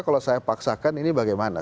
kalau saya paksakan ini bagaimana